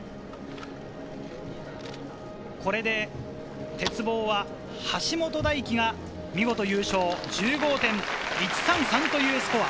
これで鉄棒は橋本大輝が見事優勝、１５．１３３というスコア。